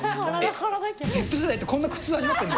Ｚ世代ってこんな苦痛味わってんの？